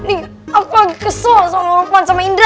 ini aku lagi kesel sama lukman sama indra